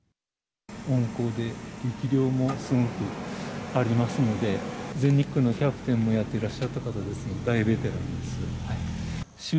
温厚で力量もすごくありますので、全日空のキャプテンもやってらっしゃった大ベテランです。